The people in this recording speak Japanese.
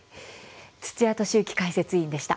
土屋敏之解説委員でした。